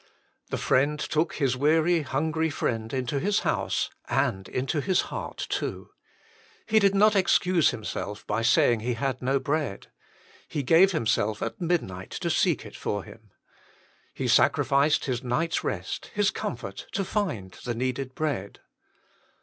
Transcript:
The friend took his weary, hungry friend into his house, and into his heart too. He did not excuse himself by saying he had no bread : he gave himself at midnight to seek it for him. He sacrificed his night s rest, his comfort, to find the needed bread.